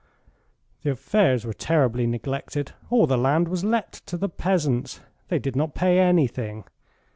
"The affairs were terribly neglected. All the land was let to the peasants. They did not pay anything.